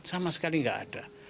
sama sekali enggak ada